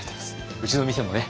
うちの店もね